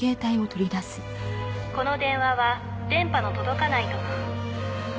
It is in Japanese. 「この電話は電波の届かないところに」